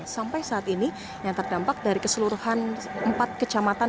sampai saat ini yang terdampak dari keseluruhan empat kecamatan